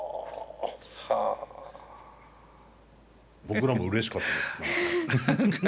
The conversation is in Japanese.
僕らもうれしかったです何か。